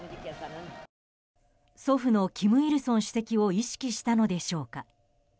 祖父の金日成主席を意識したのでしょうか。